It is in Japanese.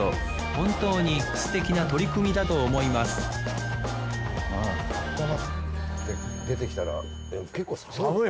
本当にすてきな取り組みだと思います出てきたら結構寒い。